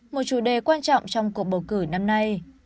một chủ đề quan trọng trong cuộc bầu cử năm nay